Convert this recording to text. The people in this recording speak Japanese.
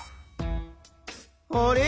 あれ？